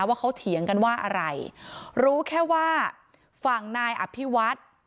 ว่าเขาเถียงกันว่าอะไรรู้แค่ว่าฝั่งนายอภิวัฒน์